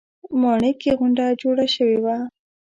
ماڼۍ کې غونډه جوړه شوې وه.